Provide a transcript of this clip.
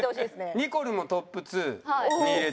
ニコルもトップ２に入れてるんだね。